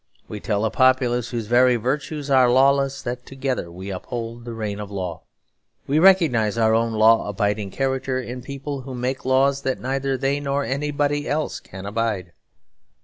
We tell a populace whose very virtues are lawless that together we uphold the Reign of Law. We recognise our own law abiding character in people who make laws that neither they nor anybody else can abide.